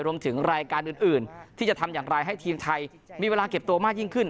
รวมถึงรายการอื่นที่จะทำอย่างไรให้ทีมไทยมีเวลาเก็บตัวมากยิ่งขึ้น